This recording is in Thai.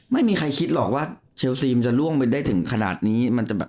ไม่มีใครคิดหรอกว่าเชลซีมันจะล่วงไปได้ถึงขนาดนี้มันจะแบบ